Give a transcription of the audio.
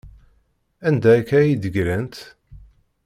Anda akka ay d-ggrant?